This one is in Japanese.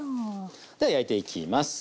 では焼いていきます。